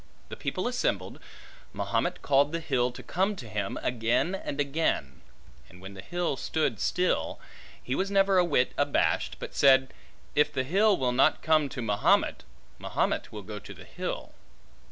The people assembled; Mahomet called the hill to come to him, again and again; and when the hill stood still, he was never a whit abashed, but said, If the hill will not come to Mahomet, Mahomet will go to the hill.